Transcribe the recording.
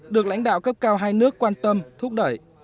được lãnh đạo cấp cao hai nước quan tâm thúc đẩy